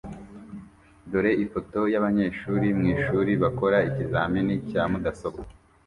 Dore ifoto yabanyeshuri mwishuri bakora ikizamini cya mudasobwa